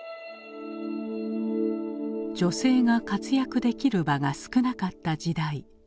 女性が活躍できる場が少なかった時代。